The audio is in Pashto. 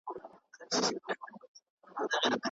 هوا په ډېرې بې رحمۍ سره د بې وزله انسانانو ژوند ګواښلو.